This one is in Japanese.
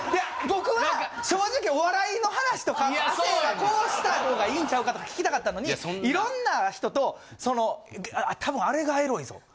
僕は正直お笑いの話とか亜生はこうした方がいいんちゃうかとか聞きたかったのにいろんな人と多分あれがエロいぞ